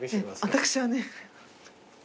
私はね。